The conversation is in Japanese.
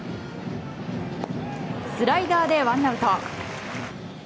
スライダーでワンアウト。